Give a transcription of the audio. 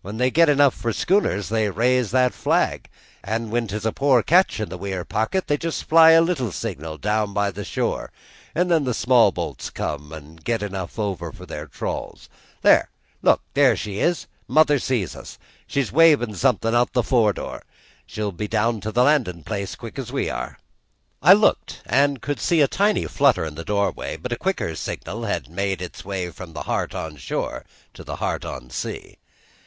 "When they get enough for schooners they raise that flag; an' when 'tis a poor catch in the weir pocket they just fly a little signal down by the shore, an' then the small bo'ts comes and get enough an' over for their trawls. There, look! there she is: mother sees us; she's wavin' somethin' out o' the fore door! She'll be to the landin' place quick's we are." I looked, and could see a tiny flutter in the doorway, but a quicker signal had made its way from the heart on shore to the heart on the sea.